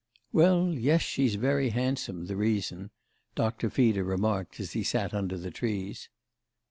"Well yes, she's very handsome, the reason," Doctor Feeder remarked as he sat under the trees.